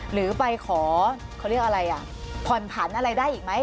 หรือไปขอเขาเรียกอะไรอ่ะผ่อนผันอะไรได้อีกไหม